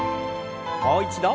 もう一度。